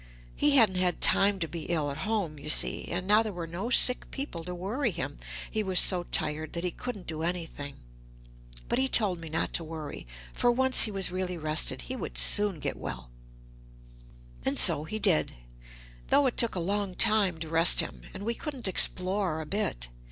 He hadn't had time to be ill at home you see, and now there were no sick people to worry him, he was so tired that he couldn't do anything. But he told me not to worry, for once he was really rested, he would soon get well. And so he did, though it took a long time to rest him, and we couldn't explore a bit.